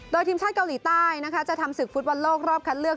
โดยทีมชาติเกาหลีใต้นะคะจะทำศึกฟุตบอลโลกรอบคัดเลือก